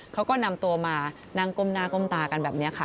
เขาก็นำตัวมานั่งก้มหน้าก้มตากันแบบนี้ค่ะ